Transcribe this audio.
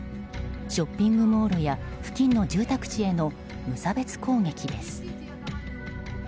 ショッピングモールや付近の住宅地への無差別攻撃です。